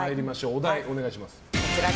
お題をお願いします。